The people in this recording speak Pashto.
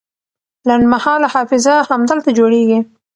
لنډمهاله حافظه همدلته جوړیږي.